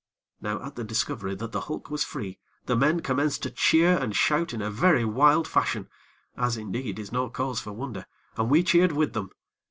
Now at the discovery that the hulk was free, the men commenced to cheer and shout in a very wild fashion, as, indeed, is no cause for wonder, and we cheered with them.